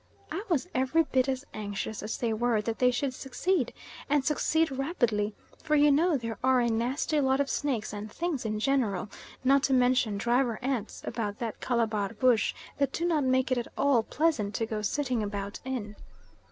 I was every bit as anxious as they were that they should succeed, and succeed rapidly, for you know there are a nasty lot of snakes and things in general, not to mention driver ants, about that Calabar bush, that do not make it at all pleasant to go sitting about in.